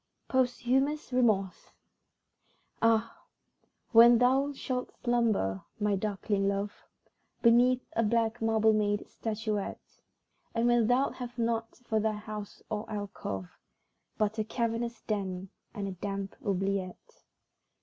Posthumous Remorse Ah, when thou shalt slumber, my darkling love, Beneath a black marble made statuette, And when thou'lt have nought for thy house or alcove, But a cavernous den and a damp oubliette.